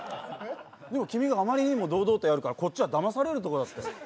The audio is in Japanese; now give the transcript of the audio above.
でも、君があまりにも堂々とやるから、こっちはだまされるところだったよ。